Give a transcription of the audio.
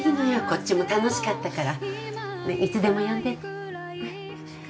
こっちも楽しかったからいつでも呼んでね